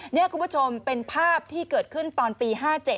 นี่คุณผู้ชมเป็นภาพที่เกิดขึ้นตอนปี๕๗